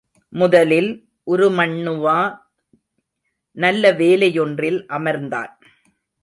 முதலில் உருமண்ணுவா நல்ல வேலையொன்றில் அமர்ந்தான்.